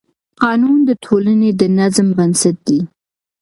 قانون د ټولنې د نظم بنسټ دی.